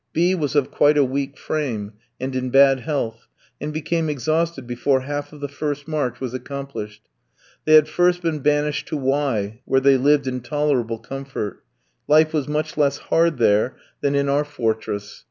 B was of quite a weak frame, and in bad health, and became exhausted before half of the first march was accomplished. They had first been banished to Y gorsk, where they lived in tolerable comfort; life was much less hard there than in our fortress.